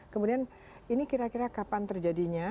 kemudian ini kira kira kapan terjadinya